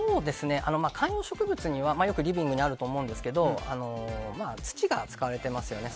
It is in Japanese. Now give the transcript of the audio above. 観葉植物はリビングにあると思うんですが土が使われていますよね。